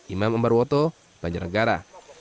imam ambar woto banjarnegara